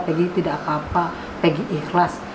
pegi tidak apa apa pg ikhlas